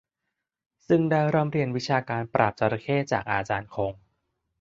ซึ่งได้ร่ำเรียนวิชาการปราบจระเข้จากอาจารย์คง